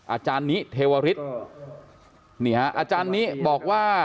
อาจารณ์นี้เทวอฤทธิ์เนี่ยฮะอาจารณ์นี้บอกว่า